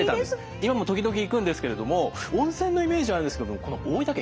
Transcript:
今も時々行くんですけれども温泉のイメージはあるんですけれどもこの大分県